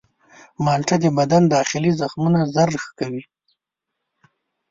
مالټه د بدن داخلي زخمونه ژر ښه کوي.